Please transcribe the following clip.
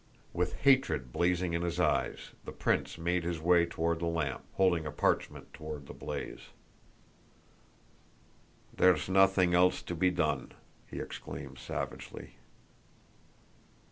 With hatred blazing in his eyes the prince made his way toward the lamp, holding a parchment toward the blaze. "There's nothing else to be done," he exclaimed savagely.